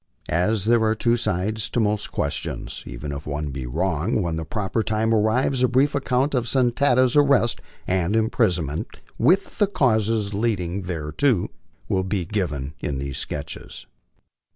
As there are two sides to most questions, even if one be wrong, when the proper time arrives a brief account of Sa tan ta's arrest and imprisonment, with the causes lead ing thereto, will be given in these sketches.